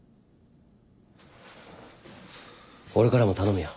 俺からも頼むよ。